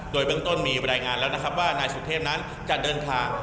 โดยเบื้องต้นมีบรรยายงานแล้วนะครับว่านายสุเทพนั้นจะเดินทาง